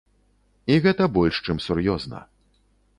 І гэта больш чым сур'ёзна.